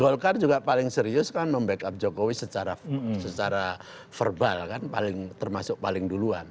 golkar juga paling serius kan membackup jokowi secara verbal kan termasuk paling duluan